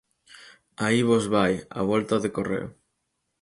Aí vos vai, a volta de correo.